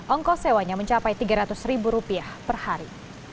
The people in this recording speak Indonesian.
ongkos sewanya mencapai tiga ratus ribu rupiah per hari